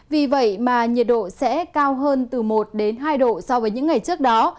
vì vậy mà nhiệt độ sẽ cao hơn từ một đến hai độ so với những ngày trước đó